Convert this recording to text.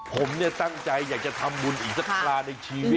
ผมเนี่ยตั้งใจอยากจะทำบุญอีกสักปลาในชีวิต